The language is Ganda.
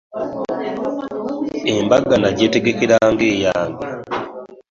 Embaga nagyetegekera nga eyange.